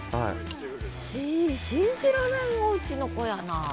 信じられんおうちの子やなあ。